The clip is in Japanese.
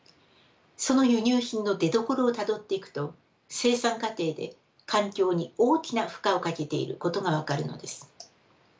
その輸入品の出どころをたどっていくと生産過程で環境に大きな負荷をかけていることが分かるのです。